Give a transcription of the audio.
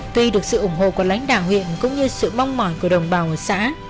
tuy được sự ủng hộ của lãnh đạo huyện cũng như sự mong mỏi của đồng bào ở xã